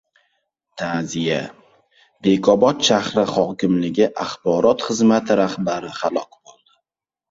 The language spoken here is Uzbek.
Ta’ziya! Bekobod shahri hokimligi axborot xizmati rahbari halok bo‘ldi